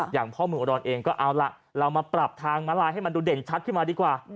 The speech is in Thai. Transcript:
อย่างพ่อเมืองอุดรเองก็เอาล่ะเรามาปรับทางมาลายให้มันดูเด่นชัดขึ้นมาดีกว่า